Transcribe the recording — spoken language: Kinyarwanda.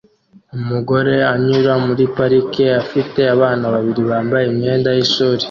Umugore anyura muri parike afite abana babiri bambaye imyenda yishuri